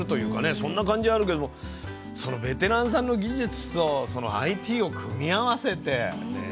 そんな感じあるけれどもそのベテランさんの技術とそのＩＴを組み合わせてね。